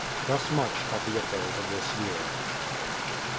Thus much of the affairs of this year.